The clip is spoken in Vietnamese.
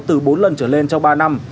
từ bốn lần trở lên trong ba năm